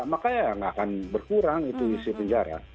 maka ya nggak akan berkurang itu isi penjara